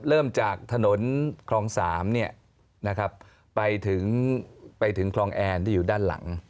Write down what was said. เริ่มจากถนนคลอง๓ไปถึงคลองแอนที่อยู่ด้านหลัง